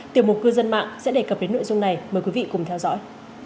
tiểu mục cư dân mạng sẽ đề cập đến nội dung này mời quý vị cùng theo dõi